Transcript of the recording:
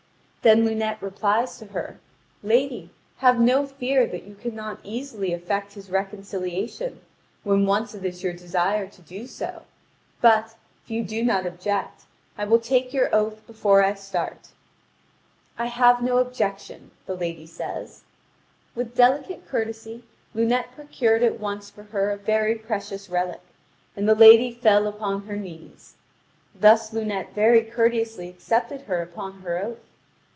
Then Lunete replies to her: "Lady, have no fear that you cannot easily effect his reconciliation, when once it is your desire to do so; but, if you do not object, I will take your oath before I start." "I have no objection," the lady says. With delicate courtesy, Lunete procured at once for her a very precious relic, and the lady fell upon her knees. Thus Lunete very courteously accepted her upon her oath.